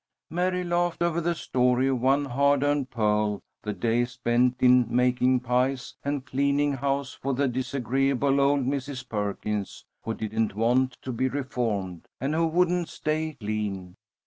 Mary laughed over the story of one hard earned pearl, the day spent in making pies and cleaning house for the disagreeable old Mrs. Perkins, who didn't want to be reformed, and who wouldn't stay clean.